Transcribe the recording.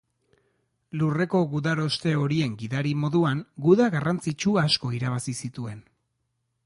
Lurreko gudaroste horien gidari moduan, guda garrantzitsu asko irabazi zituen.